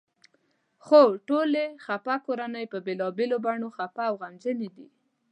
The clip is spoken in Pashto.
خو ټولې خپه کورنۍ په بېلابېلو بڼو خپه او غمجنې دي.